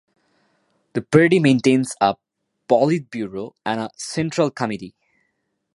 The party maintains a politburo and a Central Committee.